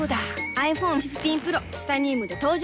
ｉＰｈｏｎｅ１５Ｐｒｏ チタニウムで登場